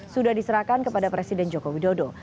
sudah diserahkan kepada presiden joko widodo